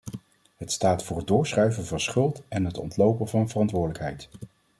Het staat voor het doorschuiven van schuld en het ontlopen van verantwoordelijkheid.